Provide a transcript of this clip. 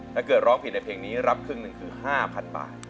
ถ้าเกิดร้องผิดในเพลงนี้รับครึ่งหนึ่งคือ๕๐๐๐บาท